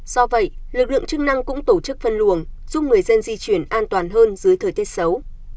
do vậy lực lượng chức năng cũng tổ chức phân luồng giúp người dân di chuyển an toàn hơn dưới thời tiết xấu